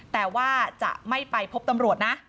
แต่ว่าจะไม่ไปพบตำรวจนะ